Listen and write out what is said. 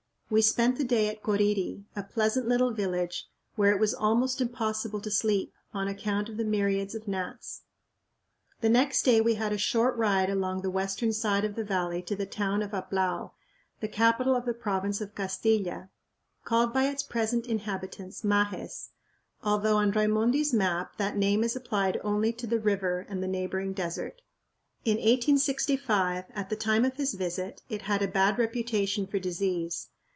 We spent the day at Coriri, a pleasant little village where it was almost impossible to sleep, on account of the myriads of gnats. The next day we had a short ride along the western side of the valley to the town of Aplao, the capital of the province of Castilla, called by its present inhabitants "Majes," although on Raimondi's map that name is applied only to the river and the neighboring desert. In 1865, at the time of his visit, it had a bad reputation for disease.